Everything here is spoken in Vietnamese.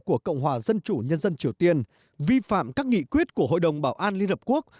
của cộng hòa dân chủ nhân dân triều tiên vi phạm các nghị quyết của hội đồng bảo an liên hợp quốc